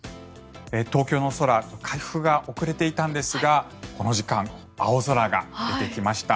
東京の空回復が遅れていたんですがこの時間、青空が出てきました。